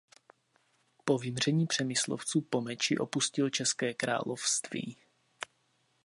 Po vymření Přemyslovců po meči opustil České království.